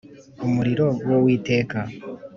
Umuriro wu witeka.